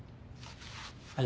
はい。